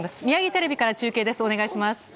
宮城テレビから中継です。